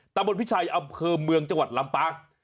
ตะบนพิชัยอำเภอเมืองจังหวัดลำปาง